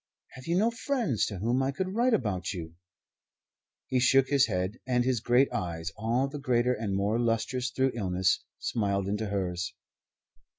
"Have you no friends to whom I could write about you?" He shook his head, and his great eyes, all the greater and more lustrous through illness, smiled into hers.